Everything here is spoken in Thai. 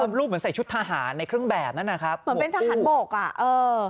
รูปเหมือนใส่ชุดทหารในเครื่องแบบนั้นนะครับเหมือนเป็นทหารบกอ่ะเออ